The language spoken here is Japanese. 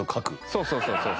そうそうそうそう。